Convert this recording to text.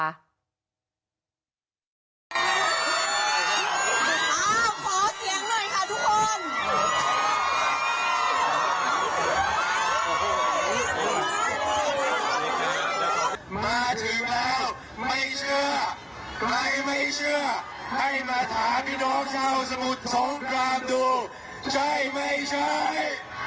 มาถึงแล้วไม่เชื่อใครไม่เชื่อให้มาถามพี่น้องเจ้าสมุทรสงครามดูใช่ไม่ใช่